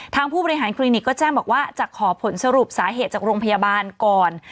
ผู้บริหารคลินิกก็แจ้งบอกว่าจะขอผลสรุปสาเหตุจากโรงพยาบาลก่อน